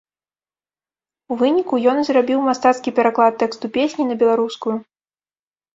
У выніку, ён і зрабіў мастацкі пераклад тэксту песні на беларускую.